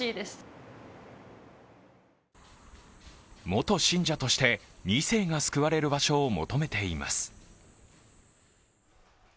元信者として２世が救われる場所を求めています。